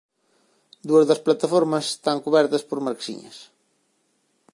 Dúas das plataformas están cubertas por marquesiña.